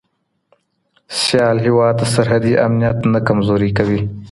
سیال هیواد سرحدي امنیت نه کمزوری کوي.